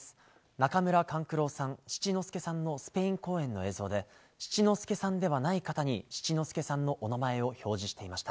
中村勘九郎さん、七之助さんのスペイン公演の映像で七之助さんではない方に七之助さんのお名前を表示していました。